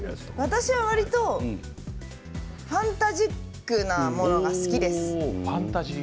私は、わりとファンタジックなものが好きです。